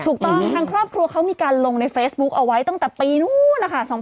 ถูกต้องทางครอบครัวเขามีการลงในเฟซบุ๊คเอาไว้ตั้งแต่ปีนู้นนะคะ